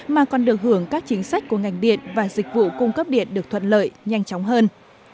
mà còn được hưởng các chính sách của ngành điện và dịch vụ cung cấp điện được thuận lợi nhanh chóng hơn